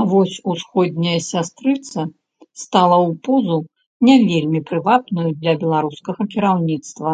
А вось усходняя сястрыца стала ў позу, не вельмі прывабную для беларускага кіраўніцтва.